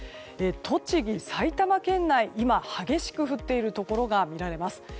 栃木、埼玉県内、今激しく降っているところが見られます。